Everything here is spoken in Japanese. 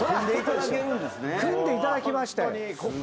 組んでいただきましたよ。